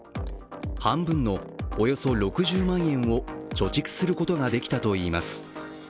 半分のおよそ６０万円を貯蓄することができたといいます。